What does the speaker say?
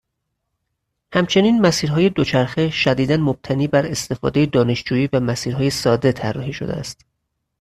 همچنین مسیرهای دوچرخه شدیدا مبتنی بر استفاده دانشجویی و مسیرهای ساده طراحی شده است.